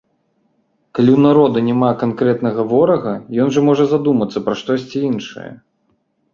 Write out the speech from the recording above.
Калі ў народа няма канкрэтнага ворага, ён жа можа задумацца пра штосьці іншае!